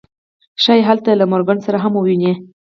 ښایي هلته له مورګان سره هم وویني